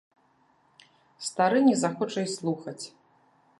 Стары не захоча й слухаць.